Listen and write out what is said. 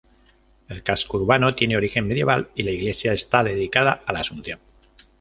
El casco urbano tiene origen medieval y la iglesia está dedicada a la Asunción.